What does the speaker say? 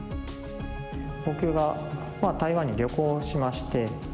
僕が台湾に旅行しまして。